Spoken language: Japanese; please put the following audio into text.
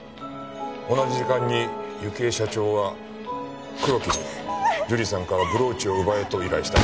同じ時間に幸恵社長は黒木に樹里さんからブローチを奪えと依頼した。